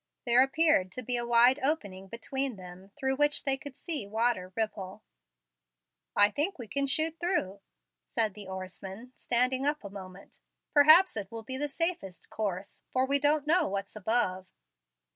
There appeared to be a wide opening between them, through which they could see the water ripple. "I think we can shoot through," said the oarsman, standing up a moment; "perhaps it will be the safest course, for we don't know what's above."